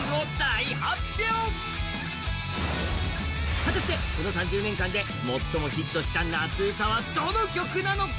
果たしてこの３０年間で最もヒットした夏うたはどの曲なのか？